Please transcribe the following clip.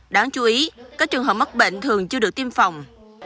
đáng chú ý các trường hợp mắc bệnh thường chưa được tiêm phòng